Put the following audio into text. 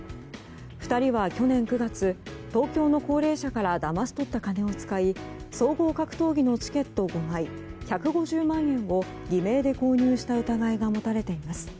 ２人は去年９月東京の高齢者からだまし取った金を使い総合格闘技のチケット５枚１５０万円を偽名で購入した疑いが持たれています。